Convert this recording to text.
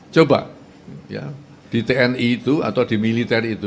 coba ya di tni itu atau di militer itu